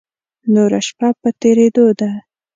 نوره شپه په تېرېدو ده.